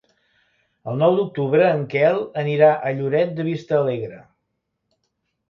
El nou d'octubre en Quel anirà a Lloret de Vistalegre.